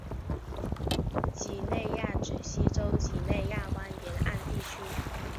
几内亚指西非几内亚湾沿岸地区。